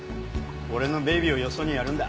俺のベイビーをよそにやるんだ。